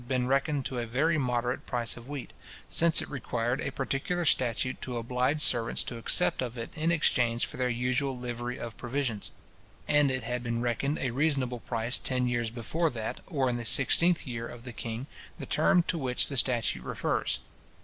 been reckoned a very moderate price of wheat, since it required a particular statute to oblige servants to accept of it in exchange for their usual livery of provisions; and it had been reckoned a reasonable price ten years before that, or in the 16th year of the king, the term to which the statute refers.